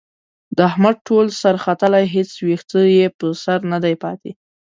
د احمد ټول سر ختلی، هېڅ وېښته یې په سر ندی پاتې.